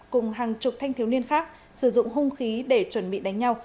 cùng hàng chục thanh thiếu niên khác sử dụng hung khí để chuẩn bị đánh nhau